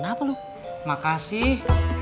apa memang sih